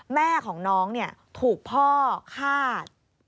แม่ของน้องถูกพ่อฆาต